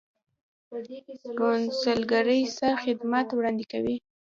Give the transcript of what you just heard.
کونسلګرۍ څه خدمات وړاندې کوي؟